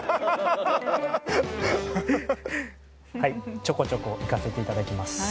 ちょこちょこ行かせていただきます。